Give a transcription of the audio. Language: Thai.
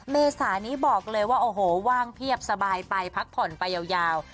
เมษานี้บอกเลยว่าโอ้โหว่างเพียบสบายไปพักผ่อนไปยาว